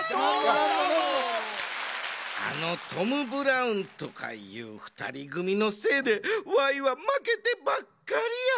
あのトム・ブラウンとかいうふたりぐみのせいでワイはまけてばっかりや。